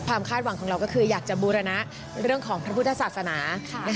คาดหวังของเราก็คืออยากจะบูรณะเรื่องของพระพุทธศาสนา